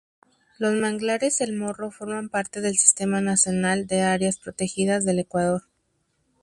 Los Manglares El Morro forman parte del Sistema Nacional de Áreas Protegidas del Ecuador.